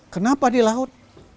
kenapa di laut